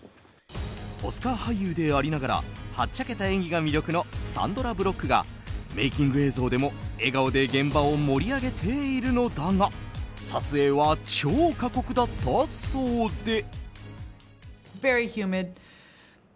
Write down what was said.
オスカー俳優でありながらはっちゃけた演技が魅力のサンドラ・ブロックがメイキング映像でも笑顔で現場を盛り上げているのだが撮影は超過酷だったそうで。